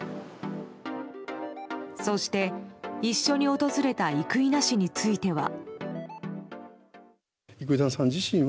そして、一緒に訪れた生稲氏については。